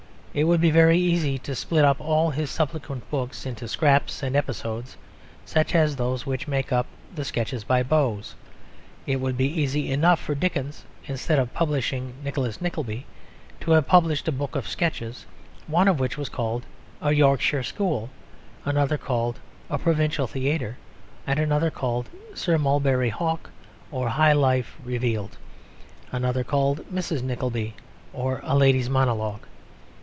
It would be very easy to split up all his subsequent books into scraps and episodes, such as those which make up the Sketches by Boz. It would be easy enough for Dickens, instead of publishing Nicholas Nickleby, to have published a book of sketches, one of which was called "A Yorkshire School," another called "A Provincial Theatre," and another called "Sir Mulberry Hawk or High Life Revealed," another called "Mrs. Nickleby or a Lady's Monologue."